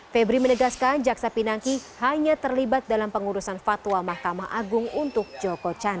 febri menegaskan jaksa pinangki hanya terlibat dalam pengurusan peninjauan kembali atau pk joko candra di pengadilan negeri jakarta selatan